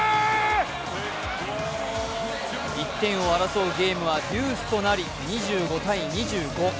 １点を争うゲームはデュースとなり２５−２５。